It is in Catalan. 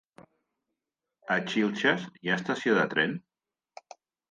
A Xilxes hi ha estació de tren?